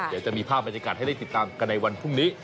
เดี๋ยวจะมีภาพบรรยากาศให้ได้ติดตามกันในวันพรุ่งนี้